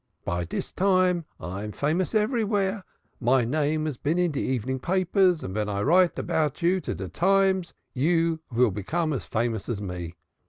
By dis time I am famous everywhere, my name has been in de evening papers, and ven I write about you to de Times, you vill become as famous as me.